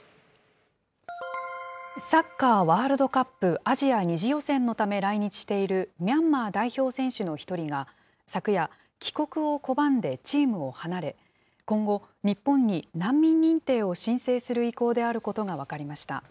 サッカーワールドカップアジア２次予選のため来日しているミャンマー代表選手の一人が、昨夜、帰国を拒んでチームを離れ、今後、日本に難民認定を申請する意向であることが分かりました。